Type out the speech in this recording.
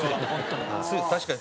確かに。